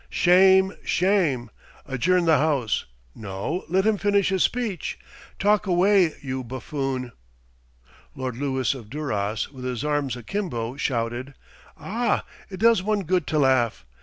"Shame! shame!" "Adjourn the House!" "No; let him finish his speech!" "Talk away, you buffoon!" Lord Lewis of Duras, with his arms akimbo, shouted, "Ah! it does one good to laugh.